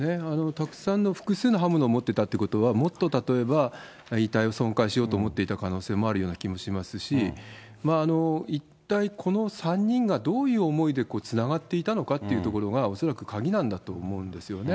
たくさんの、複数の刃物を持っていたということは、もっと例えば遺体を損壊しようと思っていた可能性もあるような気もしますし、一体この３人がどういう思いでつながっていたのかっていうところが恐らく、鍵なんだと思うんですよね。